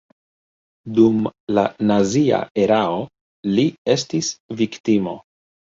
Dum la nazia erao li estis viktimo.